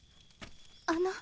あの。